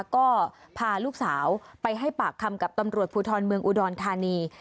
ก็พาลูกสาวไปให้ปากคำกับตำรวจภูทรเมืองอุดรธานี